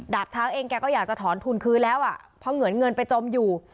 ช้างเองแกก็อยากจะถอนทุนคืนแล้วอ่ะเพราะเหมือนเงินไปจมอยู่